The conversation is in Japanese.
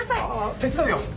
手伝うよ。